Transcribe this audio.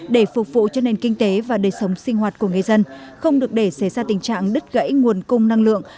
để phục vụ cho nền kinh tế và đời sống sinh hoạt của người dân không được để xảy ra tình trạng đứt gãy nguồn cung năng lượng